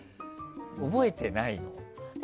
覚えてないの？